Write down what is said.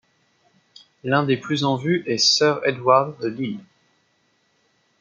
L'un des plus en vue est Sir Edward de Lisle.